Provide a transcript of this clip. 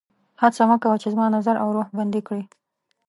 هڅه مه کوه چې زما نظر او روح بندي کړي